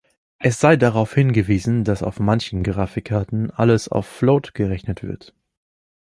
Es sei darauf hingewiesen, dass auf manchen Grafikkarten alles auf float gerechnet wird.